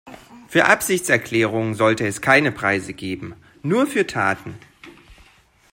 Für Absichtserklärungen sollte es keine Preise geben, nur für Taten.